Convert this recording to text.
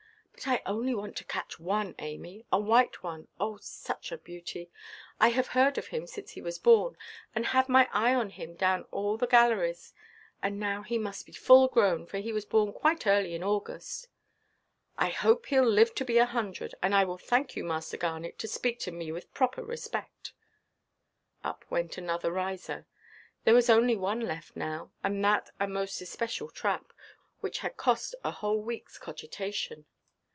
"But I only want to catch one, Amy; a white one, oh, such a beauty! I have heard of him since he was born, and had my eye on him down all the galleries; and now he must be full–grown, for he was born quite early in August." "I hope heʼll live to be a hundred. And I will thank you, Master Garnet, to speak to me with proper respect." Up went another riser. There was only one left now, and that a most especial trap, which had cost a whole weekʼs cogitation.